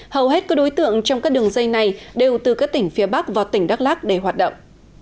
hầu hết các đối tượng trong các đường dây này đều từ các tỉnh phía bắc vào tỉnh đắk lắc để hoạt động